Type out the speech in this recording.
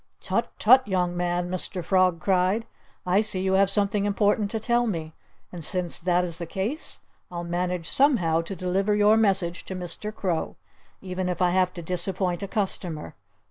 "Tut, tut, young man!" Mr. Frog cried. "I see you have something important to tell me. And since that is the case, I'll manage somehow to deliver your message to Mr. Crow, even if I have to disappoint a customer.